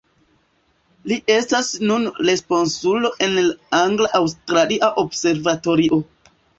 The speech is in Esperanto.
Li estas nune responsulo en la Angla-Aŭstralia Observatorio.